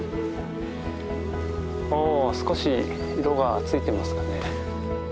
お少し色がついてますかね。